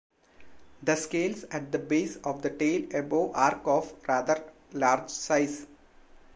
The scales at the base of the tail above arc of rather large size.